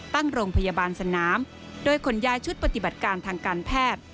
ตั้งโรงพยาบาลสนามโดยขนย้ายชุดปฏิบัติการทางการแพทย์